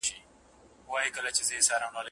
را پوره مي د پېړیو د بابا دغه ارمان کې